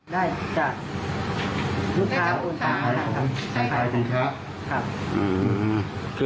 ได้จากลูกค้าโอนต่างหากครับ